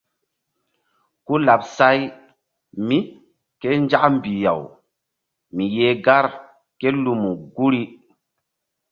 Ku laɓ say mí ké nzak mbih-aw mi yeh gar ké lumu guri.